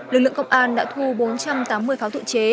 lực lượng công an đã thu bốn trăm tám mươi pháo tự chế